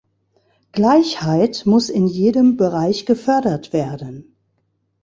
Gleichheit muss in jedem Bereich gefördert werden.